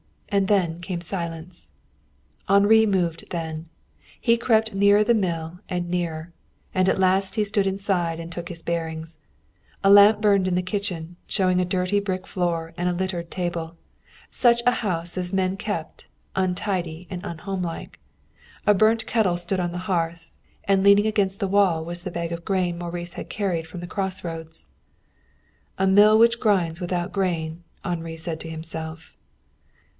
And then came silence. Henri moved then. He crept nearer the mill and nearer. And at last he stood inside and took his bearings. A lamp burned in the kitchen, showing a dirty brick floor and a littered table such a house as men keep, untidy and unhomelike. A burnt kettle stood on the hearth, and leaning against the wall was the bag of grain Maurice had carried from the crossroads. "A mill which grinds without grain," Henri said to himself.